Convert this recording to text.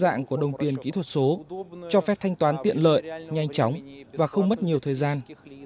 đa dạng của đồng tiền kỹ thuật số cho phép thanh toán tiện lợi nhanh chóng và không mất nhiều thời gian